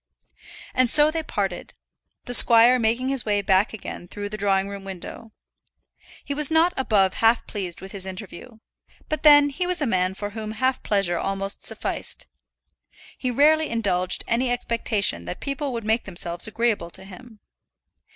And so they parted, the squire making his way back again through the drawing room window. He was not above half pleased with his interview; but then he was a man for whom half pleasure almost sufficed. He rarely indulged any expectation that people would make themselves agreeable to him.